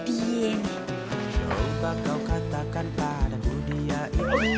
coba kau katakan pada dunia ini